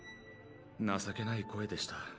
情けない声でした。